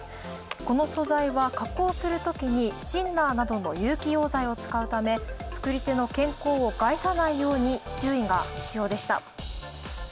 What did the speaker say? この素材は加工するときにシンナーなどの有機溶剤を使うため、作り手の健康を害さないように注意が必要でした。